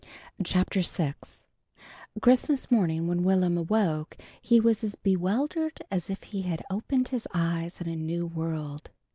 CHAPTER VI CHRISTMAS morning when Will'm awoke, he was as bewildered as if he had opened his eyes in a new world.